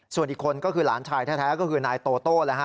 ส่วนอีกคนก็คือหลานชายแท้ก็คือนายโตโต้นะฮะ